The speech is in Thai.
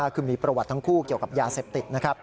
คือมีประวัติทั้งคู่เกี่ยวกับยาเสพติดนะครับ